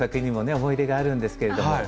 思い出があるんですけれども。